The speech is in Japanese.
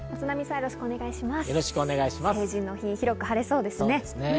成人の日、広く晴れそうですね。